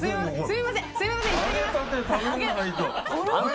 すみません。